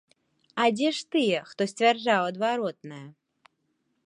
А дзе ж тыя, хто сцвярджаў адваротнае?